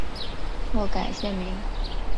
后改现名。